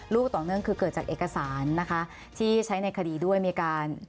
ลูกต่อเนื่องคือเกิดจากเอกสารนะคะที่ใช้ในคดีด้วยมีการ